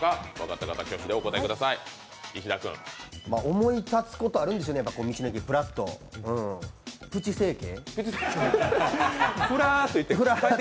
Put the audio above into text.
思い立つことあるんですよね、道の駅プラッと、プチ整形？